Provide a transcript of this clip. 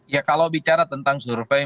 ya kalau bicara tentang survei